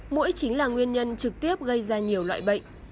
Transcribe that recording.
mũi chính là nguyên nhân trực tiếp gây ra nhiều loại bệnh